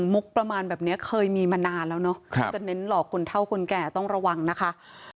มุกประมาณแบบนี้เคยมีมานานแล้วเนอะจะเน้นหลอกคนเท่าคนแก่ต้องระวังนะคะ